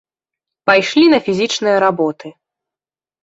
Пайшлі на фізічныя работы.